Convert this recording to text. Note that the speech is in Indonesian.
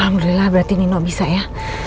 alhamdulillah berarti nino bisa ya